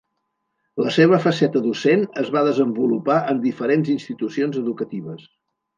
La seva faceta docent es va desenvolupar en diferents institucions educatives.